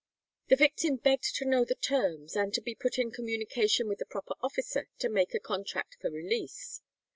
The victim begged to know the terms, and to be put in communication with the proper officer to make a contract for release.